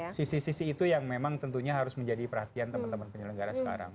nah sisi sisi itu yang memang tentunya harus menjadi perhatian teman teman penyelenggara sekarang